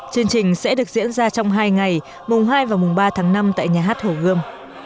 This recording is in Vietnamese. chương trình sẽ được diễn ra trong hai ngày mùng hai và mùng ba tháng năm tại nhà hát hồ gươm